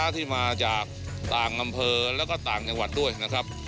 ที่มาจากต่างอำเภอแล้วก็ต่างจังหวัดด้วยนะครับ